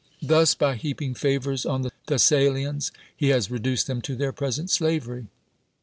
Thus, by heaping favors on tlie Thessalians, he has reduced them to their present slavery.